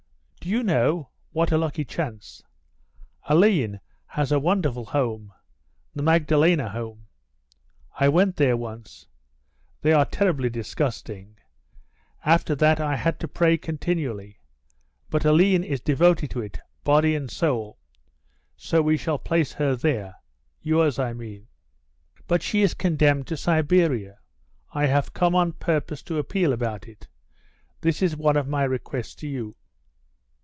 "Do you know What a lucky chance. Aline has a wonderful home the Magdalene Home. I went there once. They are terribly disgusting. After that I had to pray continually. But Aline is devoted to it, body and soul, so we shall place her there yours, I mean." "But she is condemned to Siberia. I have come on purpose to appeal about it. This is one of my requests to you."